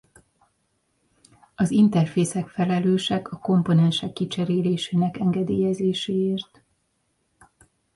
Az interfészek felelősek a komponensek kicserélésének engedélyezéséért.